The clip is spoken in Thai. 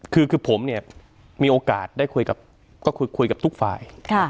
คือผมเนี่ยมีโอกาสได้คุยกับก็คุยกับทุกฝ่าย